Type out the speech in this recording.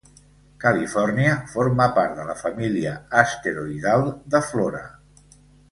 Califòrnia forma part de la família asteroidal de Flora.